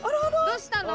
どうしたの？